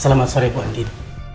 selamat sore bu andin